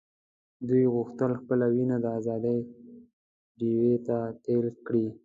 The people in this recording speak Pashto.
دوی غوښتل خپله وینه د آزادۍ ډیوې ته تېل کړي.